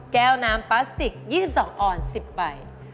แก้วน้ำพลาสติก๒๒ออน๑๐ใบ